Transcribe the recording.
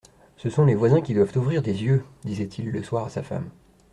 Ce sont les voisins qui doivent ouvrir des yeux ! disait-il le soir à sa femme.